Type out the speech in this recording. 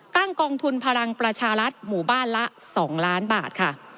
กองทุนพลังประชารัฐหมู่บ้านละ๒ล้านบาทค่ะ